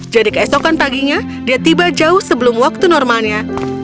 jadi keesokan paginya dia tiba jauh sebelum waktu normalnya